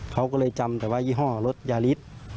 เขาก็เลยจำแต่ว่ายี่ห้อรถยาฤทธิ์